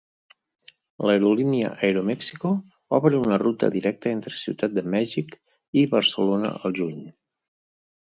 L'aerolínia Aeroméxico obre una ruta directa entre Ciutat de Mèxic i Barcelona al juny.